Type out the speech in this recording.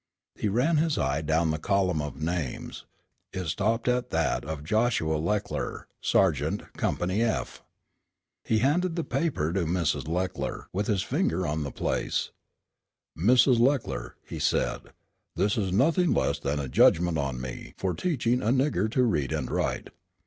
He ran his eye down the column of names. It stopped at that of Joshua Leckler, Sergeant, Company F. He handed the paper to Mrs. Leckler with his finger on the place: "Mrs. Leckler," he said, "this is nothing less than a judgment on me for teaching a nigger to read and write.